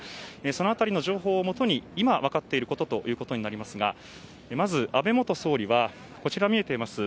その辺りの情報をもとに今分かっていることになりますがまず、安倍元総理はこちらに見えています